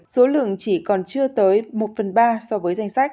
số lượng chỉ còn chưa tới một phần ba so với danh sách